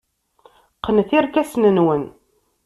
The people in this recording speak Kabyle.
Qqnet irkasen-nwen.